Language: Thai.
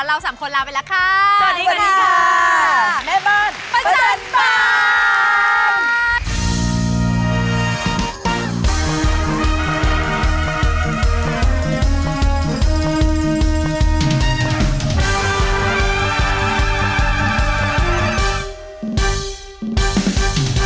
เรา๓คนลาไปแล้วค่ะ